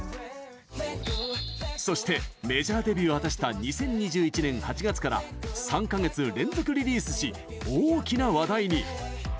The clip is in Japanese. そしてメジャーデビューを果たした２０２１年８月から３か月連続リリースし大きな話題に。